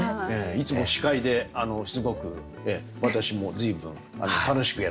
いつも司会ですごく私も随分楽しくやらさせて頂いて。